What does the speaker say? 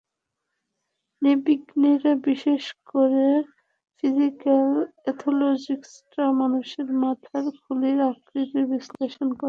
নৃবিজ্ঞানীরা বিশেষ করে ফিজিক্যাল এনথ্রোপলোজিস্টরা মানুষের মাথার খুলির আকৃতির বিশ্লেষণ করেন।